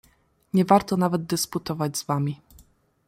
"Nie warto nawet dysputować z wami."